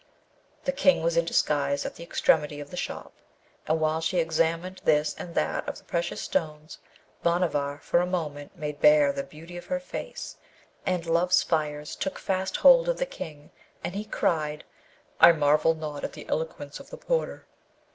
The King was in disguise at the extremity of the shop, and while she examined this and that of the precious stones, Bhanavar for a moment made bare the beauty, of her face, and love's fires took fast hold of the King, and he cried, 'I marvel not at the eloquence of the porter.'